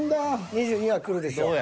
２２位はくるでしょう。